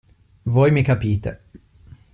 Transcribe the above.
Voi mi capite.